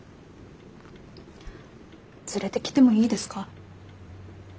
連れてきてもいいですか？